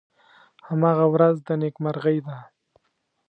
هماغه ورځ د نیکمرغۍ ده .